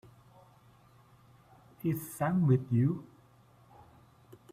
Is Sam with you?